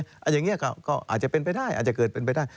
อย่างนี้ก็อาจจะเป็นไปได้อาจจะเกิดเป็นไปได้